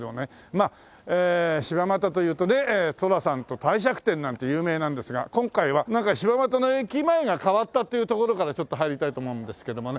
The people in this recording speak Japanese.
まあ柴又というとね寅さんと帝釈天なんて有名なんですが今回は柴又の駅前が変わったというところからちょっと入りたいと思うんですけどもね。